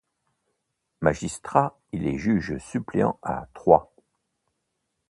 Magistrat, il est juge suppléant à Troyes.